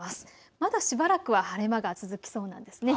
まだしばらくは晴れ間が続きそうです。